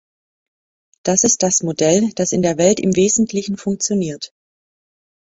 Das ist das Modell, das in der Welt im Wesentlichen funktioniert.